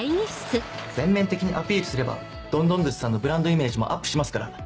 全面的にアピールすればどんどん寿司さんのブランドイメージもアップしますから。